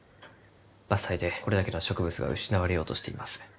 伐採でこれだけの植物が失われようとしています。